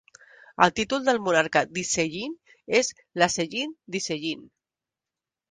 El títol del monarca d'Iseyin és "L'Aseyin d'Iseyin".